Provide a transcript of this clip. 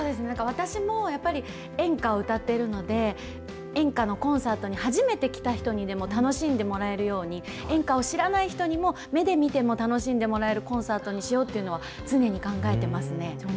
私もやっぱり演歌を歌っているので、演歌のコンサートに初めて来た人にでも楽しんでもらえるように、演歌を知らない人にも、目で見ても楽しんでもらえるコンサートにしようっていうのは、常に考えてますね。